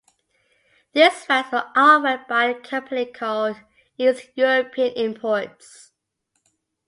These rights were offered by a company called East European Imports.